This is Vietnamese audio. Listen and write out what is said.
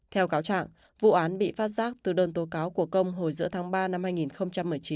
theo cáo trạng vụ án bị phát giác từ đơn tố cáo của công hồi giữa tháng ba năm hai nghìn một mươi chín